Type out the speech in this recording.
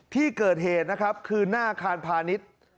ที่เกิดเหตุนะครับคือหน้าอาคารพาณิชย์